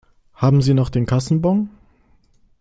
Haben Sie noch den Kassenbon?